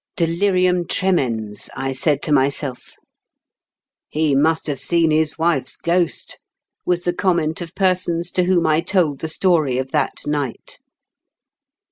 " Delirium tremens/' I said to myself. " He must have seen his wife's ghost," was the comment of persons to whom I told the story of that night.